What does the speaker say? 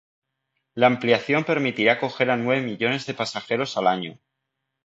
La ampliación permitirá acoger a nueve millones de pasajeros al año.